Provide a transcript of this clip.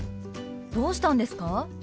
どうしたんですか？